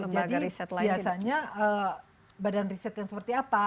jadi biasanya badan riset yang seperti apa